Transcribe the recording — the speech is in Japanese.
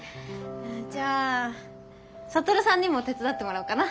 じゃあ羽さんにも手伝ってもらおうかな。